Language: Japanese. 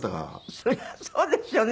そりゃそうですよね。